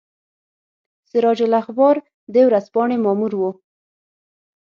سراج الاخبار د ورځپاڼې مامور وو.